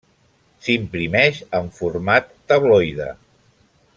S'imprimeix en format tabloide.